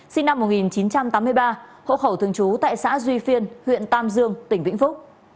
sinh năm một nghìn chín trăm tám mươi ba hộ khẩu thường trú tại xã duy phiên huyện tam dương tỉnh vĩnh phúc